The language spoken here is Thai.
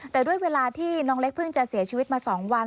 แต่ด้วยเวลาที่น้องเล็กเพิ่งจะเสียชีวิตมา๒วัน